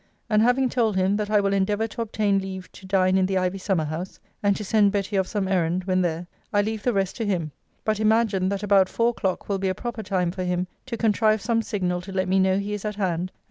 And having told him, that I will endeavour to obtain leave to dine in the Ivy Summer house,* and to send Betty of some errand, when there, I leave the rest to him; but imagine, that about four o'clock will be a proper time for him to contrive some signal to let me know he is at hand, and for me to unbolt the garden door.'